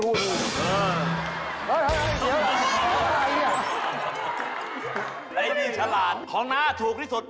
ถ่านหมด